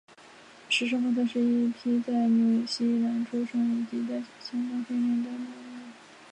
时尚风采是一匹在纽西兰出生以及在香港训练的纯种竞赛马匹。